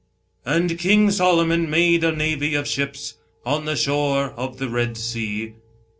" And King Solomon made a navy of ships ... on the shore of the Red Sea."